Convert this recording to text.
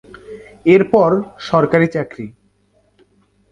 এরপর সরকারী চাকরি।